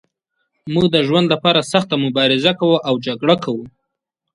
موږ د ژوند لپاره سخته مبارزه کوو او جګړه کوو.